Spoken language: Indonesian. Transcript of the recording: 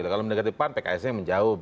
kalau mendekati pan pks nya menjauh